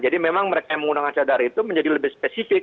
jadi memang mereka yang menggunakan cadar itu menjadi lebih spesifik